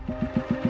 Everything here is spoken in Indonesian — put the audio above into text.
lo sudah nunggu